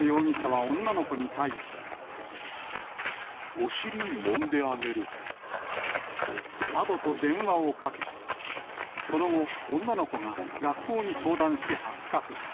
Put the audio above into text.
お尻もんであげる。などと電話をかけ、その後、女の子が学校に相談し発覚。